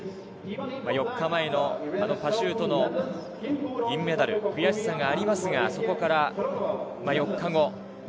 ４日前のあのパシュートの銀メダル、悔しさがありますが、そこから４日後。